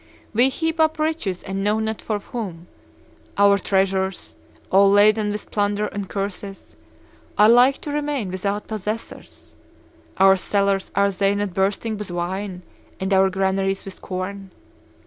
We heap up riches and know not for whom. Our treasures, all laden with plunder and curses, are like to remain without possessors. Our cellars are they not bursting with wine, and our granaries with corn?